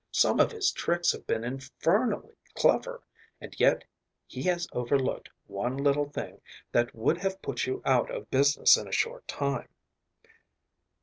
Some of his tricks have been infernally clever, and yet he has overlooked one little thing that would have put you out of business in a short time."